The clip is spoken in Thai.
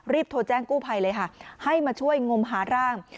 โทรแจ้งกู้ภัยเลยค่ะให้มาช่วยงมหาร่าง